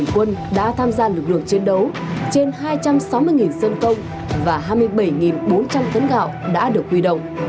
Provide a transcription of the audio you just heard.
năm mươi năm quân đã tham gia lực lượng chiến đấu trên hai trăm sáu mươi sân công và hai mươi bảy bốn trăm linh tấn gạo đã được huy động